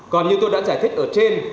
còn như tôi đã giải thích ở trên